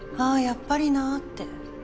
やっぱりなって。